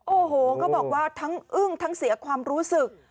โอ้โหเขาบอกว่าทั้งอึ้งทั้งเสียความรู้สึก